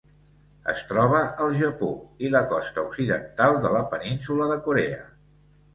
Es troba al Japó i la costa occidental de la Península de Corea.